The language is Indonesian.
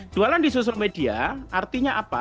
jualan di sosial media artinya apa